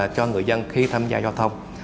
cho người dân khi tham gia giao thông